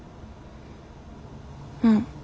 うん。